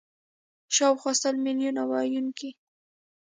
شاوخوا سل میلیونه ویونکي